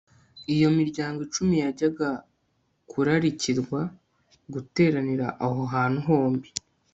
Iyo miryango icumi yajyaga kurarikirwa guteranira aho hantu hombi